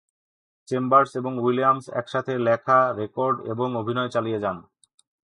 Chambers এবং Williams একসাথে লেখা, রেকর্ড এবং অভিনয় চালিয়ে যান।